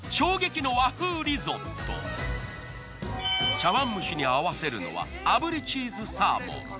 茶碗蒸しに合わせるのはあぶりチーズサーモン。